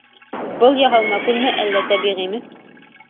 Был яһалма күлме әллә тәбиғиме?